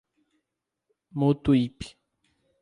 Mutuípe